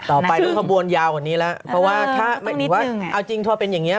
ต่อไปเรื่องข้อบวนยาวกว่านี้แล้วเพราะว่าถ้าเอาจริงถ้าเป็นอย่างนี้